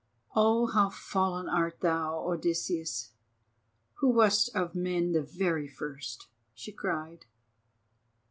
"Oh, how fallen art thou, Odysseus, who wast of men the very first," she cried.